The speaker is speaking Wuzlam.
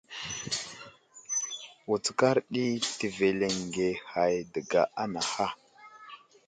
Wutskar ɗi təveleŋge hay dəga anaha.